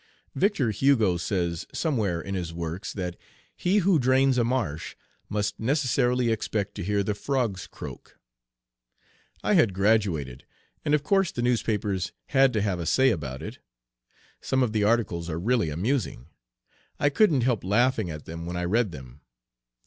Victor Hugo says somewhere in his works that he who drains a marsh must necessarily expect to hear the frogs croak. I had graduated, and of course the newspapers had to have a say about it. Some of the articles are really amusing. I couldn't help laughing at them when I read them.